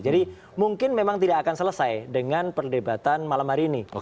jadi mungkin memang tidak akan selesai dengan perdebatan malam hari ini